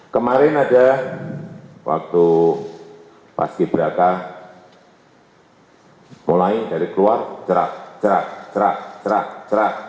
kemarin ada waktu paski beraka mulai dari keluar cerak cerak cerak cerak cerak